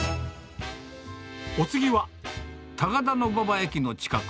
お次は、高田馬場駅の近く。